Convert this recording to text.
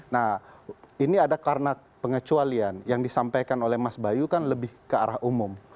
nah ini ada karena pengecualian yang disampaikan oleh mas bayu kan lebih ke arah umum